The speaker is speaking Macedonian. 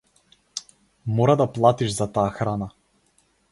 Мора да платиш за таа храна.